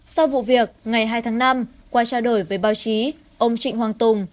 sau vụ việc ngày hai tháng năm qua trao đổi với báo chí ông trịnh hoàng tùng